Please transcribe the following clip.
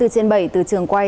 cảm ơn các bạn đã theo dõi